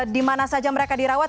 di mana saja mereka dirawat